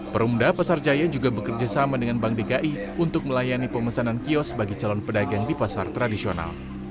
perumda pasar jaya juga bekerja sama dengan bank dki untuk melayani pemesanan kios bagi calon pedagang di pasar tradisional